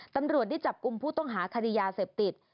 ตำรวจได้จับกลุ่มผู้ต้องหาคดียาเสพติด